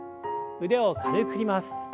腕を軽く振ります。